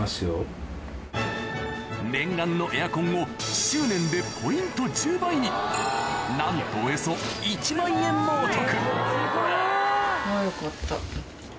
念願のエアコンを執念でポイント１０倍になんとおよそ１万円もお得